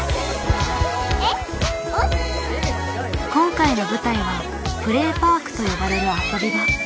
今回の舞台は「プレーパーク」と呼ばれる遊び場。